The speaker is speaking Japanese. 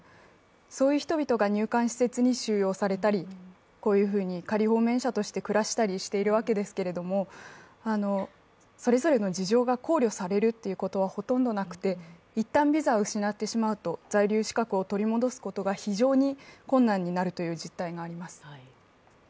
そういう人々が入管施設に収容されたりこういうふうに仮放免者として暮らしているわけですけれども、それぞれの事情が考慮されることはほとんどなくて、一旦ビザを失ってしまうと、在留資格を取り戻すことが非常に困難になるという実態があります。